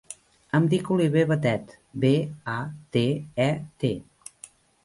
Em dic Oliver Batet: be, a, te, e, te.